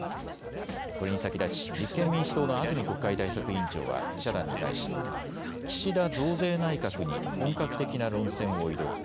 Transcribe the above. これに先立ち、立憲民主党の安住国会対策委員長は記者団に対し岸田増税内閣に本格的な論戦を挑む。